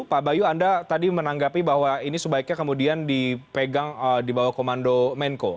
pak bayu anda tadi menanggapi bahwa ini sebaiknya kemudian dipegang di bawah komando menko